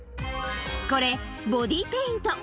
これ、ボディーペイント。